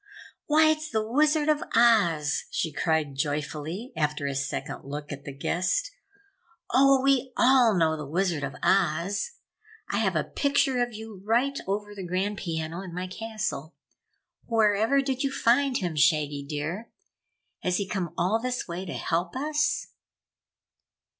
"Why, it's the Wizard of Oz!" she cried joyfully, after a second look at the guest. "Oh, we all know the Wizard of Oz! I have a picture of you right over the grand piano in my castle. Wherever did you find him, Shaggy dear? Has he come all this way to help us?"